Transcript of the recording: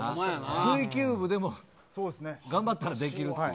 水球部でも頑張ったらできるという。